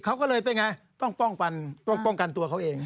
เขาก็เลยเป็นไงต้องป้องกันตัวเขาเอง